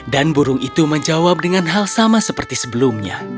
dan burung itu menjawab dengan hal sama seperti sebelumnya